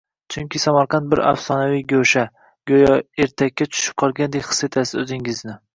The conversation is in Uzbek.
Chunki Samarqand bir afsonaviy go‘sha, goʻyo ertakka tushib qolgandek his etasiz oʻzingizni.